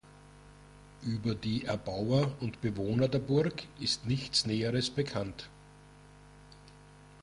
Über die Erbauer und Bewohner der Burg ist nichts Näheres bekannt.